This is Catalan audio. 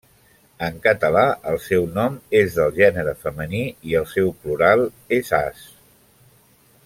En català el seu nom és del gènere femení i el seu plural és as.